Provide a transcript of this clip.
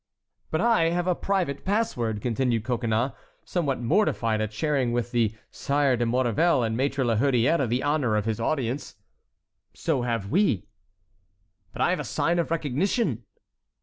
"But I have a private pass word," continued Coconnas, somewhat mortified at sharing with the Sire de Maurevel and Maître La Hurière the honor of his audience. "So have we." "But I have a sign of recognition."